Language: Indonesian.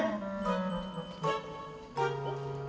mak mak mak